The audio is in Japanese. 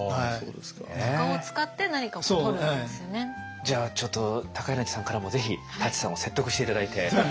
じゃあちょっと高柳さんからもぜひ舘さんを説得して頂いて。